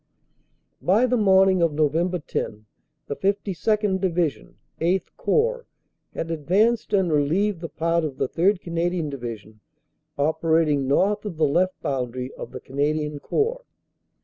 "By the morning of Nov. 10, the 52nd. Division (VIII Corps) had advanced and relieved the part of the 3rd. Cana dian Division operating north of the left boundary of the Can adian Corps.